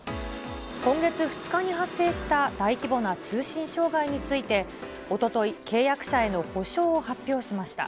今月２日に発生した大規模な通信障害について、おととい、契約者への補償を発表しました。